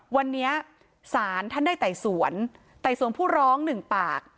วันนี้ศาลท่านได้ไต่สวนไต่สวนผู้ร้องหนึ่งปาก